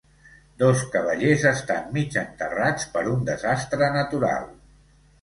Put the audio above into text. Dos cavallers estan mig enterrats per un desastre natural